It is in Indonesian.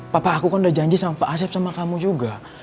papa aku kan udah janji sama pak asep sama kamu juga